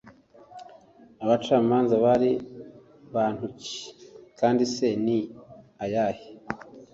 abacamanza bari bantu ki kandi se ni ayahe